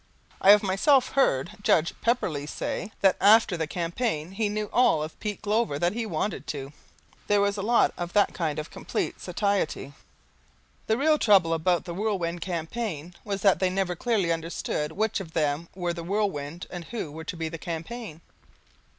I have myself heard Judge Pepperleigh say that after the campaign he knew all of Pete Glover that he wanted to. There was a lot of that kind of complete satiety. The real trouble about the Whirlwind Campaign was that they never clearly understood which of them were the whirlwind and who were to be the campaign.